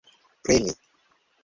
premi